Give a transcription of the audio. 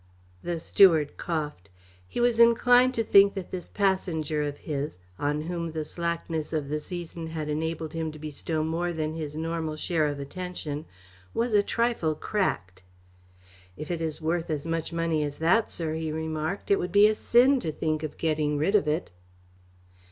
The steward coughed. He was inclined to think that this passenger of his, on whom the slackness of the season had enabled him to bestow more than his normal share of attention, was a trifle cracked. "If it is worth as much money as that, sir," he remarked, "it would be a sin to think of getting rid of it."